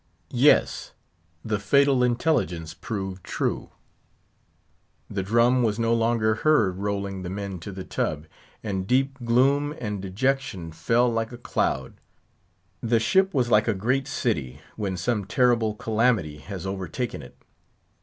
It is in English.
Yes, the fatal intelligence proved true. The drum was no longer heard rolling the men to the tub, and deep gloom and dejection fell like a cloud. The ship was like a great city, when some terrible calamity has overtaken it.